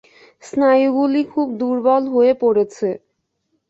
স্নায়ুগুলি খুব দুর্বল হয়ে পড়েছে।